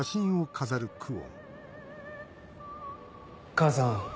母さん